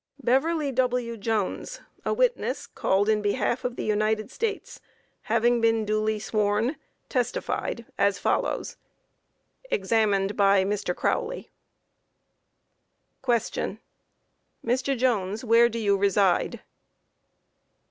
BEVERLY W. JONES, a witness, called in behalf of the United States, having been duly sworn, testified as follows: Examined by Mr. Crowley: Q. Mr. Jones, where do you reside?